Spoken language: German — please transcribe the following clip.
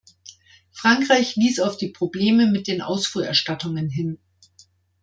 Frankreich wies auf die Probleme mit den Ausfuhrerstattungen hin.